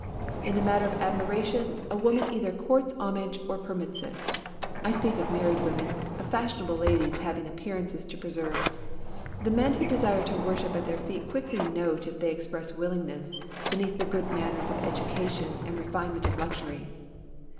In the matter of admiration, a woman either courts homage or permits it. I speak of married women, of fashionable ladies having appearances to preserve. The men who desire to worship at their feet quickly note if they express willingness, beneath the good manners of edu cation and the refinement of luxury.